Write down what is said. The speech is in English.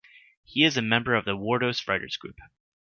He is a member of the Wordos writers' group.